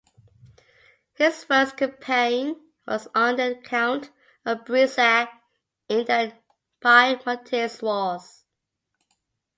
His first campaign was under the count of Brissac in the Piedmontese wars.